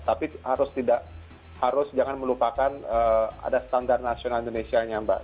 tapi harus tidak harus jangan melupakan ada standar nasional indonesia nya mbak